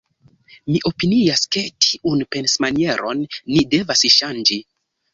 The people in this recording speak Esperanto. Mi opinias, ke tiun pensmanieron ni devas ŝanĝi.